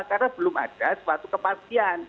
karena belum ada suatu kepastian